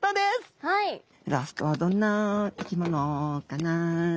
ラストはどんな生き物かな？